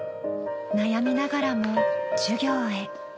悩みながらも授業へ。